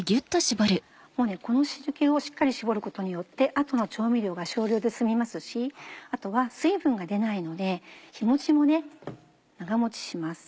この汁気をしっかり絞ることによってあとの調味料が少量で済みますしあとは水分が出ないので日持ちも長持ちします。